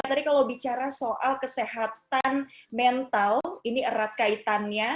tadi kalau bicara soal kesehatan mental ini erat kaitannya